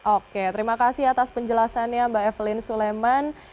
oke terima kasih atas penjelasannya mbak evelyn suleman